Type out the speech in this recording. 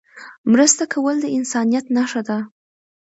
مرسته کول د انسانيت نښه ده.